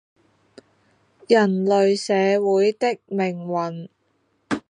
人類社會的命運